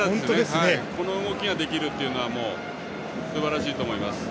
この動きができるのはすばらしいと思います。